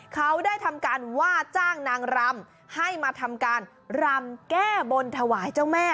เขาได้ทำการว่าจ้างนางรำให้มาทำการรำแก้บนถวายเจ้าแม่